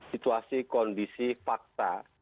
situasi kondisi fakta